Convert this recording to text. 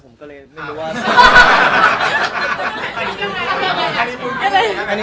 ผมก็เลยไม่รู้ว่า